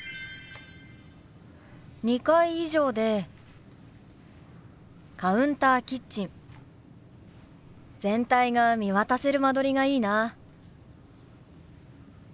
２階以上でカウンターキッチン全体が見渡せる間取りがいいな。